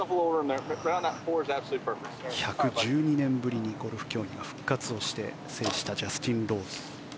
１１２年ぶりにゴルフ競技が復活して制したジャスティン・ローズ。